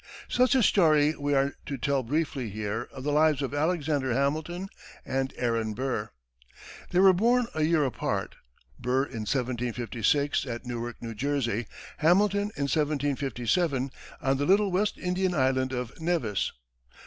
Such a story we are to tell briefly here of the lives of Alexander Hamilton and Aaron Burr. They were born a year apart. Burr in 1756, at Newark, New Jersey; Hamilton, in 1757, on the little West Indian island of Nevis.